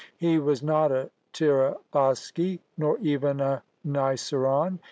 He was not a Tiraboschi nor even a Niceron!